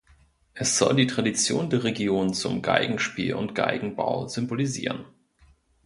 Es soll die Tradition der Region zum Geigenspiel und Geigenbau symbolisieren.